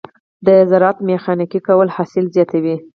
د زراعت ميخانیکي کول حاصل زیاتوي.